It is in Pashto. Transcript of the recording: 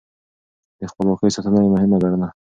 د خپلواکۍ ساتنه يې مهمه ګڼله.